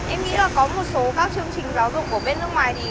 em nghĩ là có một số các chương trình giáo dục của bên nước ngoài